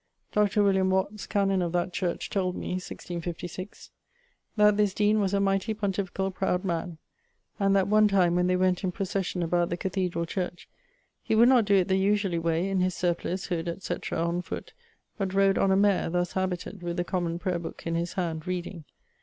Dr. Watts, canon of that church, told me, 1656, that this deane was a mighty pontificall proud man, and that one time when they went in procession about the cathedrall church, he would not doe it the usually way in his surplice, hood, etc., on foot, but rode on a mare, thus habited, with the Common Prayer booke in his hand, reading.